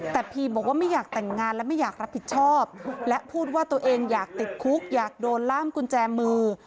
แต่พีบอกว่าไม่อยากแต่งงานและไม่อยากรับผิดชอบและพูดว่าตัวเองอยากติดคุกอยากโดนล่ามกุญแจมือ